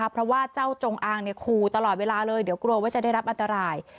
เพราะว่าเจ้าจงอางคู่ตลอดเวลาเลยเดี๋ยวกลัวว่าจะได้รับอันตราย